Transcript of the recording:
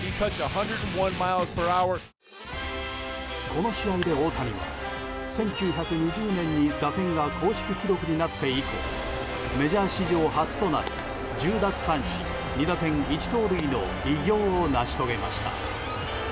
この試合で大谷は１９２０年に打点が公式記録になって以降メジャー史上初となる１０奪三振２打点１盗塁の偉業を成し遂げました。